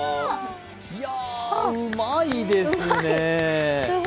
いやうまいですね。